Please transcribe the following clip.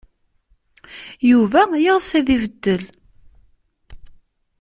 Yuba yeɣs ad ibeddel.